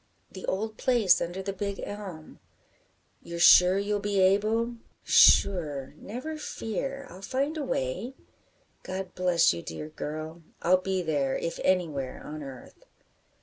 "The old place under the big elm." "You're sure you'll be able?" "Sure, never fear, I'll find a way." "God bless you, dear girl. I'll be there, if anywhere on earth."